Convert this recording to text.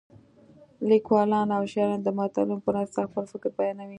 لیکوالان او شاعران د متلونو په مرسته خپل فکر بیانوي